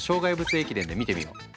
駅伝で見てみよう。